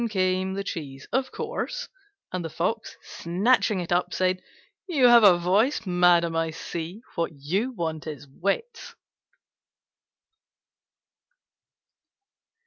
Down came the cheese, of course, and the Fox, snatching it up, said, "You have a voice, madam, I see: what you want is wits."